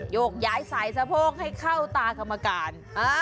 โยกย้ายสายสะโพกให้เข้าตากรรมการ